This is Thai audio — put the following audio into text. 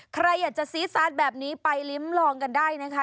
ใครอยากจะซีซาสแบบนี้ไปลิ้มลองกันได้นะคะ